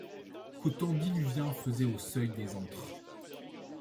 Qu’aux temps diluviens faisaient aux seuils des antres